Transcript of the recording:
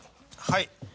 はい。